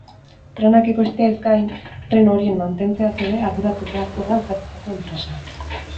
Trenak ekoizteaz gain, tren horien mantentzeaz ere arduratu beharko da hautatutako enpresa.